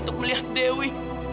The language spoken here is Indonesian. untuk melihat dewi